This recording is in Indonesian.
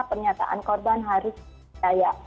pernyataan korban harus dipercaya